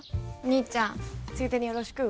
兄ちゃんついでによろしく。ＯＫ。